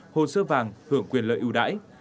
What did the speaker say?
hồ sơ vàng hưởng quyền lợi ưu đãi